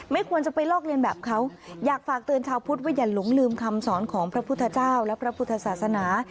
ควรจะไปลอกเรียนแบบเขาอยากฝากเตือนชาวพุทธว่าอย่าหลงลืมคำสอนของพระพุทธเจ้าและพระพุทธศาสนา